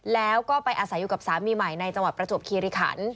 แล้วก็ไปอาศัยอยู่กับสามีใหม่ในจังหวัดประจวบคิริขัน